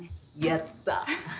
やった。